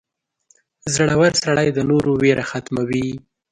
• زړور سړی د نورو ویره ختموي.